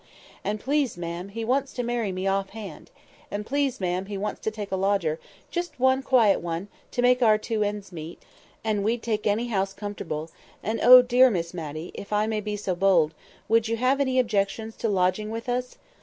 "And please, ma'am, he wants to marry me off hand. And please, ma'am, we want to take a lodger—just one quiet lodger, to make our two ends meet; and we'd take any house conformable; and, oh dear Miss Matty, if I may be so bold, would you have any objections to lodging with us?